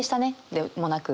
でもなく